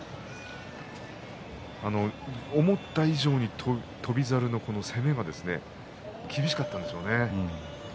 思った以上に翔猿の攻めが厳しかったんでしょうね。